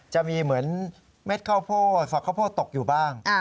จะมีเหมือนเม็ดข้าวโพดฝักข้าวโพดตกอยู่บ้าง